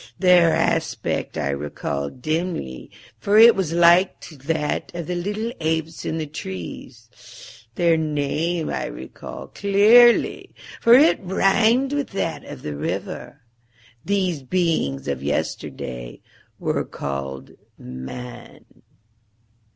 Their aspect I recall dimly, for it was like to that of the little apes in the trees. Their name I recall clearly, for it rhymed with that of the river. These beings of yesterday were called Man."